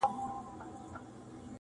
نجلۍ له غوجلې سره تړل کيږي تل